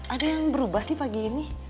ada yang berubah nih pagi ini